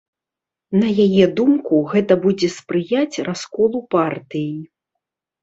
На яе думку, гэта будзе спрыяць расколу партыі.